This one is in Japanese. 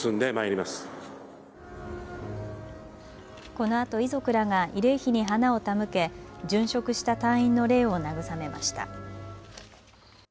このあと遺族らが慰霊碑に花を手向け殉職した隊員の霊を慰めました。